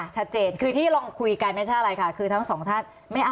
ชัดเจนคือที่ลองคุยกันไม่ใช่อะไรค่ะคือทั้งสองท่านไม่เอา